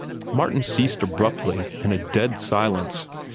Martin ceased abruptly, in a dead silence.